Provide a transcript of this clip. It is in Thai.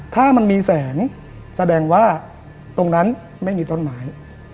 ถ้ามันมีแสงแสดงว่าตรงนั้นไม่มีต้นไม้